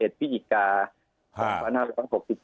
เหตุพิการาชบุรีศักดิ์๑๒๖๒